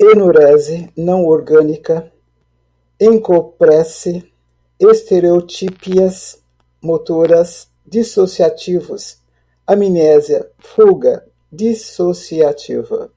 enurese, não-orgânica, encoprese, estereotipias motoras, dissociativos, amnésia, fuga, dissociativa